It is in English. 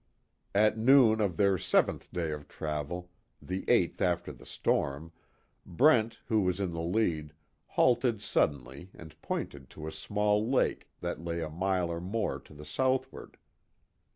At noon of their seventh day of travel, the eighth after the storm, Brent, who was in the lead, halted suddenly and pointed to a small lake that lay a mile or more to the southward.